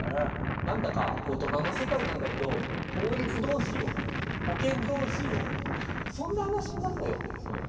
何だか大人の世界なんだけど法律どうしよう保険どうしようそんな話になんのよ。